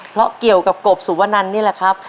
เพราะเกี่ยวกับกบสุวนันนี่แหละครับ